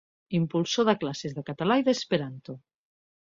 Impulsor de classes de català i d'esperanto.